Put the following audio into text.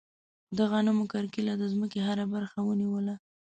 د غنمو کرکیله د ځمکې هره برخه ونیوله.